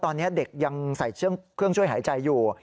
ตอนนี้เด็กยังใส่เครื่องช่วยหายใจอยู่